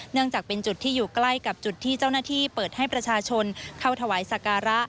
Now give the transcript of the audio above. จากเป็นจุดที่อยู่ใกล้กับจุดที่เจ้าหน้าที่เปิดให้ประชาชนเข้าถวายสการะ